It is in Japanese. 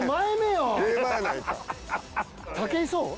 武井壮？